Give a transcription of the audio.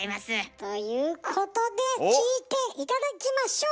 ということで聴いて頂きましょう！